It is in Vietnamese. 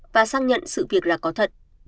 và xác nhận sự việc là có thật